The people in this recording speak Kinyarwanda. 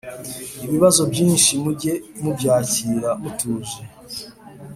Ibibazo byinshi Mujye mubyakira mutuje